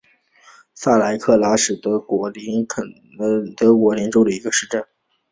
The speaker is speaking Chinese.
萨莱普拉特是德国图林根州的一个市镇。